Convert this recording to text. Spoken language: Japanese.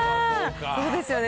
そうですよね。